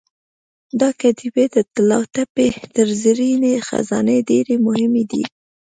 دا کتیبې د طلاتپې تر زرینې خزانې ډېرې مهمې دي.